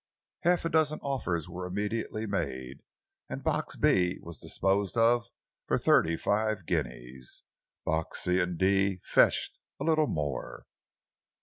Half a dozen offers were immediately made, and Box B was disposed of for thirty five guineas. Boxes C and D fetched a little more.